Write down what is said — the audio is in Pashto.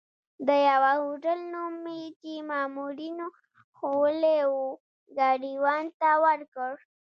د یوه هوټل نوم مې چې مامورینو ښوولی وو، ګاډیوان ته ورکړ.